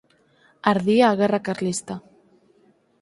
Ardía a guerra carlista.